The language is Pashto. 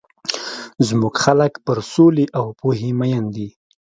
زموږ خلک پر سولي او پوهي مۀين دي.